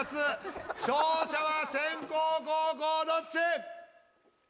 勝者は先攻後攻どっち？